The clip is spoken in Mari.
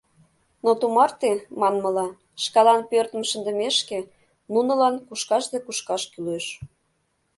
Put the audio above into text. Но тумарте, манмыла, шкалан пӧртым шындымешке, нунылан кушкаш да кушкаш кӱлеш.